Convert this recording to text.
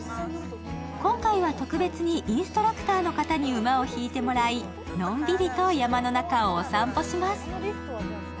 今回は特別にインストラクターの方に馬を引いてもらいのんびりと山の中をお散歩します。